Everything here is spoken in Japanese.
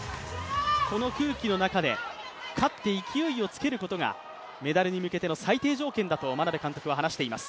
この空気の中で勝って勢いをつけることがメダルに向けての最低条件だと眞鍋監督は話しています。